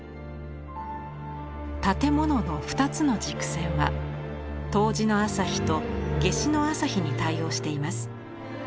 建物の２つの軸線は冬至の朝日と夏至の朝日に対応しています。